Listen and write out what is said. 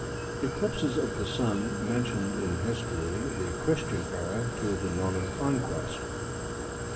ECLIPSES OF THE SUN MENTIONED IN HISTORY.— THE CHRISTIAN ERA TO THE NORMAN CONQUEST.